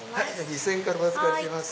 ２０００円からお預かりします。